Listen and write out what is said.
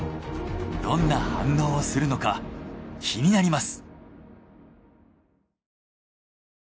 どんな反応をするのか気になります。